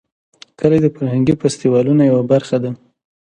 کلي د فرهنګي فستیوالونو یوه برخه ده.